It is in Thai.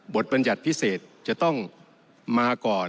บัญญัติพิเศษจะต้องมาก่อน